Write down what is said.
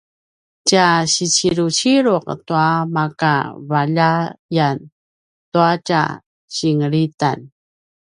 tja siciluciluq tua makavaljayan tua tja singelitan